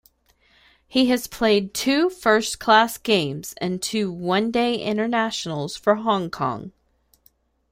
He has played two first-class games and two One Day Internationals for Hong Kong.